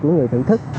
của người thưởng thức